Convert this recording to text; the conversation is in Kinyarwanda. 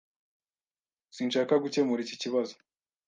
Sinshaka gukemura iki kibazo.